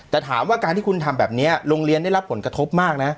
แต่ถามว่าการที่คุณทำแบบนี้โรงเรียนได้รับผลกระทบมากนะ